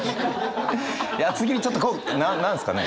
厚切りちょっとなん何すかね？